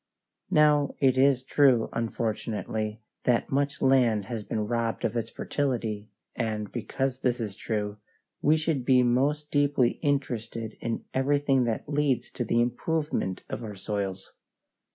Now it is true, unfortunately, that much land has been robbed of its fertility, and, because this is true, we should be most deeply interested in everything that leads to the improvement of our soils.